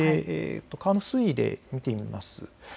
川の水位で見てみます。